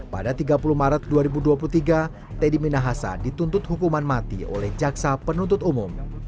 pada tiga puluh maret dua ribu dua puluh tiga teddy minahasa dituntut hukuman mati oleh jaksa penuntut umum